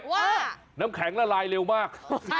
ว่าน้ำแข็งละลายเร็วมาก